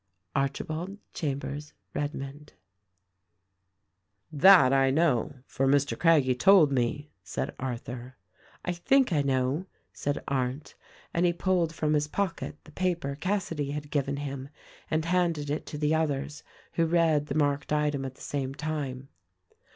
ARCHIBALD CHAMBERS REDMOND." "That I know ; for Mr. Craggie told me," said Arthur. "I think I know," said Arndt, and he pulled from his pocket the paper Cassady had given him and handed it to the others who read the marked item at the same time.